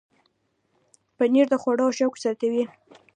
پنېر د خوړو شوق زیاتوي.